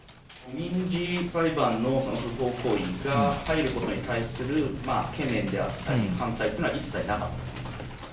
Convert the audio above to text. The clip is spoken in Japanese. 民事裁判の不法行為が入ることに対する懸念であったり、反対というのは一切なかったんですか。